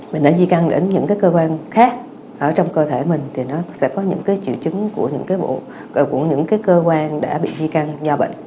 bệnh đã di căng đến những cơ quan khác trong cơ thể mình thì nó sẽ có những triệu chứng của những cơ quan đã bị di căng do bệnh